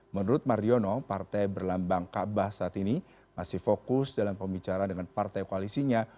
menurut mardiono partai berlambang kaabah saat ini masih fokus dalam pembicaraan dengan partai koalisinya